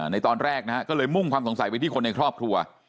ในตอนแรกนะฮะก็เลยมุ่งความสงสัยไปที่คนในครอบครัว